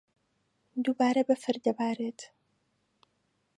دووبارە بەفر دەبارێت.